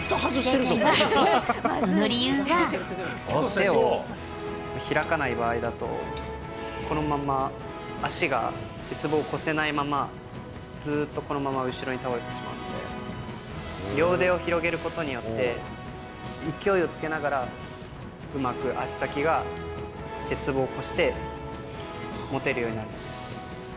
手を開かない場合だと、このまんま足が、鉄棒を越せないまま、ずっとこのまま後ろに倒れてしまうので、両腕を広げることによって、勢いをつけながら、うまく足先が、鉄棒を越して持てるようになるんです。